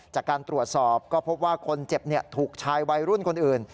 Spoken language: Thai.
จากการตรวจสอบก็พบว่าคนเจ็บถูกชายวัยรุ่นคนอื่น